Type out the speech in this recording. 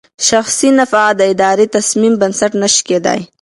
شخصي نفعه د اداري تصمیم بنسټ نه شي کېدای.